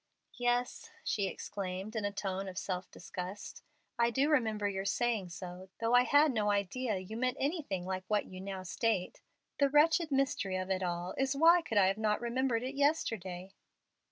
"Yes," she exclaimed, in a tone of strong self disgust, "I do remember your saying so, though I had no idea you meant anything like what you now state. The wretched mystery of it all is, why could I not have remembered it yesterday?"